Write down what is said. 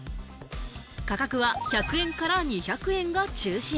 価格は１００円から２００円が中心。